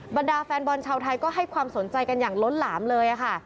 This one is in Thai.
บรรดาแฟนบอลชาวไทยก็ให้ความสนใจกันอย่างล้นหลามเลยค่ะ